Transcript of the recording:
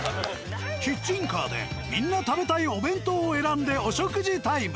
キッチンカーでみんな食べたいお弁当を選んでお食事タイム。